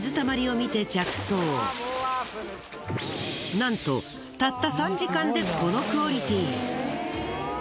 なんとたった３時間でこのクオリティー。